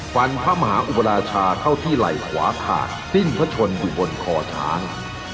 พระมหาอุบราชาเข้าที่ไหล่ขวาขาดสิ้นพระชนอยู่บนคอช้าง